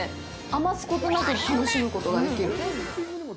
余すことなく楽しむことができる。